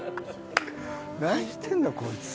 何してんの？こいつ。